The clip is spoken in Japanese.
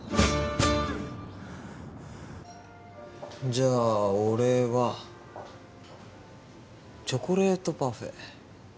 じゃあ俺はチョコレートパフェ。